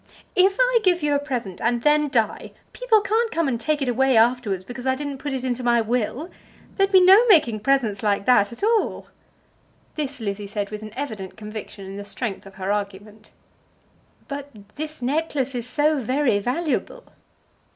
"If I give you a present and then die, people can't come and take it away afterwards because I didn't put it into my will. There'd be no making presents like that at all." This Lizzie said with an evident conviction in the strength of her argument. "But this necklace is so very valuable."